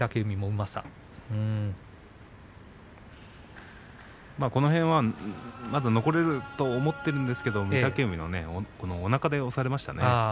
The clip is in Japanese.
まだこの辺は残れると思っているんですが御嶽海のおなかで押されましたね。